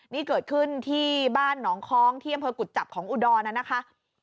นี้เกิดขึ้นที่บ้านหนองคล้องที่เยี่ยมเพิร์กุศ์จับของอุดอร์นะคะ